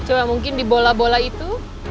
coba mungkin di bola bola itu